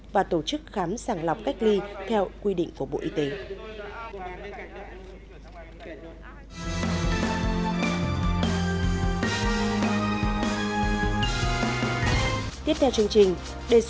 và tổ chức khám sàng lọc cách ly theo quy định của bộ y tế